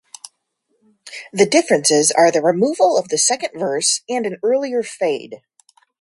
The differences are the removal of the second verse and an earlier fade.